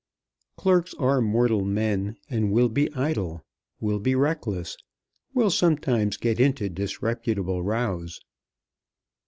Clerks are mortal men, and will be idle, will be reckless, will sometimes get into disreputable rows.